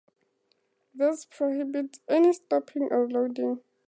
This prohibits any stopping or loading.